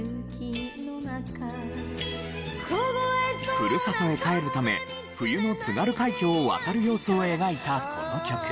ふるさとへ帰るため冬の津軽海峡を渡る様子を描いたこの曲。